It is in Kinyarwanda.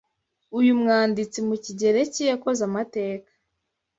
uyu mwanditsi mu kigereki yakoze amateka